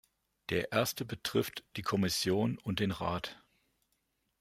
Der erste betrifft die Kommission und den Rat.